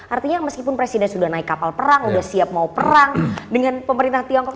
artinya meskipun presiden sudah naik kapal perang sudah siap mau perang dengan pemerintah tiongkok